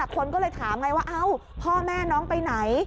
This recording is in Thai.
คนก็เลยถามไงว่าเอ้าพ่อแม่น้องไปไหน